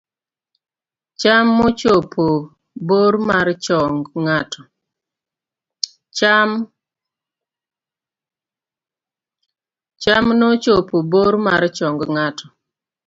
cham nochopo bor mar chong ng'ato